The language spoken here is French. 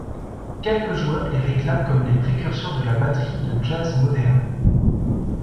Quelques joueurs les réclament comme les précurseurs de la batterie de jazz moderne.